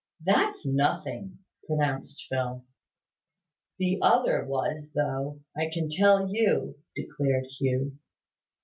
"That's nothing," pronounced Phil. "The other was, though, I can tell you," declared Hugh.